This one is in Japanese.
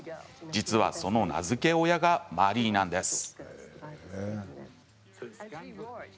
実はその名付け親がマリーなんです。